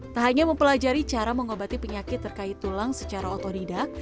tak hanya mempelajari cara mengobati penyakit terkait tulang secara otodidak